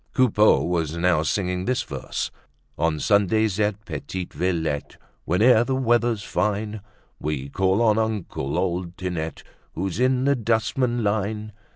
Coupeau was now singing this verse: "On Sundays at Petite Villette, Whene'er the weather's fine, We call on uncle, old Tinette, Who's in the dustman line.